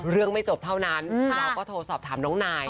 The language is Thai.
ไม่จบเท่านั้นเราก็โทรสอบถามน้องนาย